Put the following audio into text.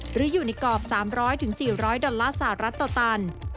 หรืออยู่ในกรอบ๓๐๐๔๐๐ดอลลาร์สหรัฐต่อตัน